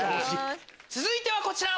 続いてはこちら！